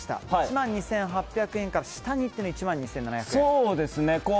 １万２８００円から下に行って、１万２７００円。